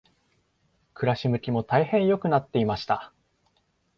暮し向きも大変良くなっていました。